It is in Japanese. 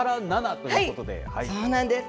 そうなんです。